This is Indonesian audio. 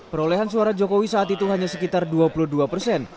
perolehan suara jokowi saat itu hanya sekitar dua puluh dua persen